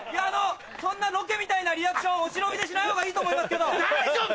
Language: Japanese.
そんなロケみたいなリアクションお忍びでしないほうがいいと思いますけど。